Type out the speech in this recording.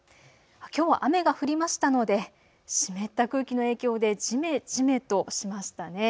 きょうは雨が降りましたので湿った空気の影響でじめじめとしましたね。